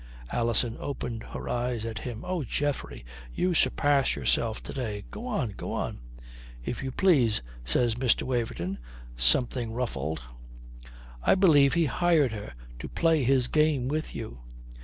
Alison opened her eyes at him. "Oh, Geoffrey, you surpass yourself to day. Go on, go on." "If you please," says Mr. Waverton, something ruffled. "I believe he hired her to play his game with you.